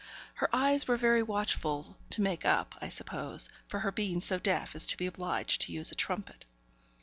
Her eyes were very watchful, to make up, I suppose, for her being so deaf as to be obliged to use a trumpet.